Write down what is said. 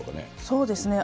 そうですね。